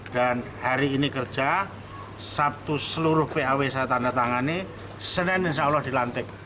dan hari ini kerja sabtu seluruh paw saya tanda tangani senin insya allah dilantik